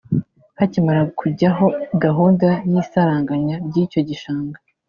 Hakimara kujyaho gahunda y’isaranganya ry’icyo gishanga